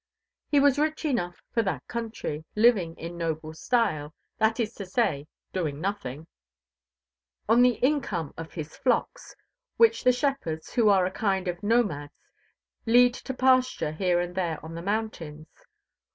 He was rich enough for that country, living in noble style that is to say, doing nothing on the income from his flocks, which the shepherds, who are a kind of nomads, lead to pasture here and there on the mountains.